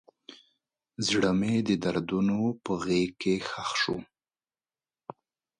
زړه مې د دردونو په غیږ کې ښخ شو.